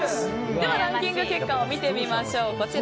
では、ランキング結果を見てみましょう。